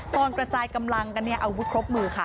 ตอนกระจายกำลังกันเอาบุ็ดครบมือค่ะ